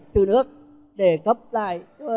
trừ nước để cấp lại